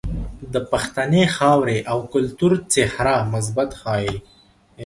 د پښتنې خاورې او کلتور څهره مثبت ښائي.